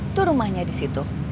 itu rumahnya disitu